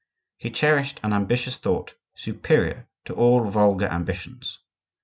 He cherished an ambitious thought superior to all vulgar ambitions.